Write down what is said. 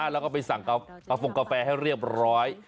แล้วก็ไปสั่งกาโฟงกาแฟให้เรียบร้อย